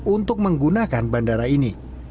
untuk menggunakan bandara ini